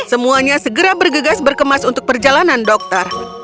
semuanya segera bergegas berkemas untuk perjalanan dokter